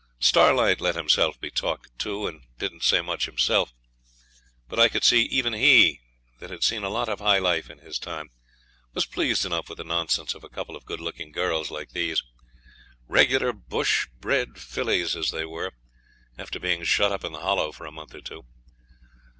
Starlight let himself be talked to, and didn't say much himself; but I could see even he, that had seen a lot of high life in his time, was pleased enough with the nonsense of a couple of good looking girls like these regular bush bred fillies as they were after being shut up in the Hollow for a month or two.